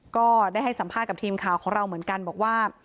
ก็ได้ให้สัมภาษณ์กับทีมข่าวของเราเหมือนกันบอกว่า